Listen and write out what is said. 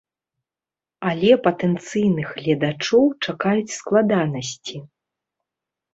Але патэнцыйных гледачоў чакаюць складанасці.